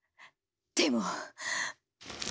でも。